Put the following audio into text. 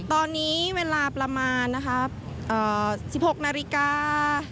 ตอนนี้เวลาประมาณ๑๖นาฬิกา